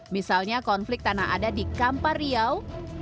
misalnya konflik tanah adat di kampar riau